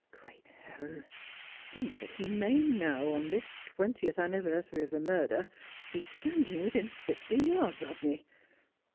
Great heaven, think that he may now, on this twentieth anniversary of the murder, be standing within fifty yards of me